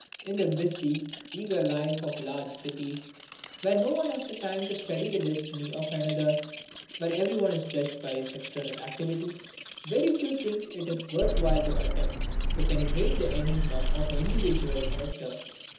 In the busy, eager life of large cities, where no one has time to study the destiny of another, where every one is judged by his external activity, very few think it worth while to attempt to penetrate the enigma of individual character.